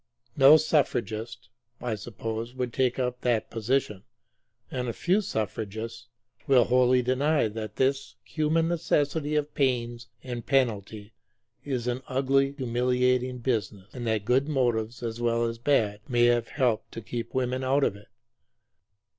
No suffragist, I suppose, will take up that position; and a few suffragists will wholly deny that this human necessity of pains and penalties is an ugly, humiliating business, and that good motives as well as bad may have helped to keep women out of it.